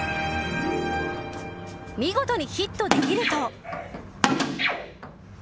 見事にヒットできると。